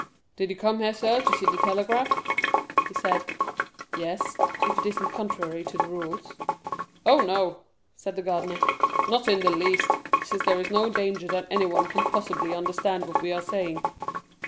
"Did you come here, sir, to see the telegraph?" he said. "Yes, if it isn't contrary to the rules." "Oh, no," said the gardener; "not in the least, since there is no danger that anyone can possibly understand what we are saying."